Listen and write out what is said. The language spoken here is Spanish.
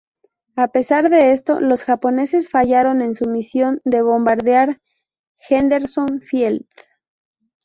A pesar de esto, los japoneses fallaron en su misión de bombardear Henderson Field.